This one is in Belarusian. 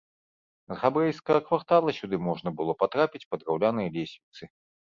З габрэйскага квартала сюды можна было патрапіць па драўлянай лесвіцы.